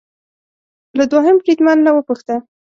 له دوهم بریدمن نه وپوښته